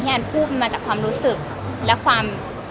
ตอนนี้เรารู้สึกแบบนั้น